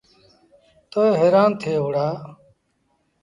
تا هيرآݩ ٿئي وهُڙآ۔